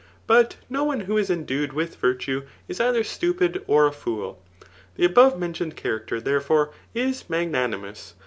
But no one who is endued with virtue, is either stupid or a fool. The above mentioned character, therefore, is magnanimous.